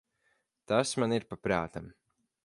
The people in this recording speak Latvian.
Tas man ir pa prātam.